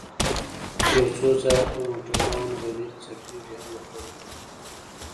يو څو ځايه خو موټروان غريب څپېړې هم وخوړې.